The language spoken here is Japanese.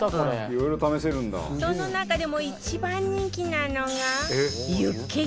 その中でも一番人気なのが